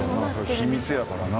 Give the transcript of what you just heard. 秘密やからな。